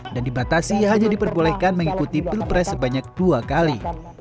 dan dibatasi hanya diperbolehkan mengikuti pilpres sebanyak dua kali